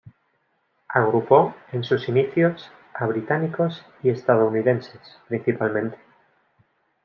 Agrupó en sus inicios a británicos y estadounidenses, principalmente.